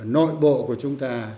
nội bộ của chúng ta